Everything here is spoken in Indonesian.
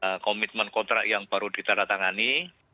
ada komitmen kontrak yang baru ditandatangani